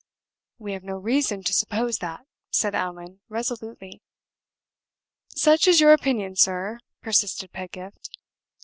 "We have no reason to suppose that," said Allan, resolutely. "Such is your opinion, sir," persisted Pedgift.